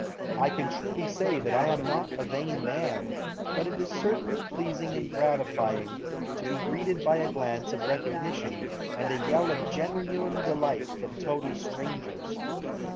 I can truly say that I am not a vain man, but it is certainly pleasing and gratifying to be greeted by a glance of recognition and a yell of genuine delight from total strangers.